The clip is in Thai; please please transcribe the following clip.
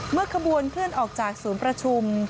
เมื่อขบวนเพื่อนออกจากศูนย์ประชุม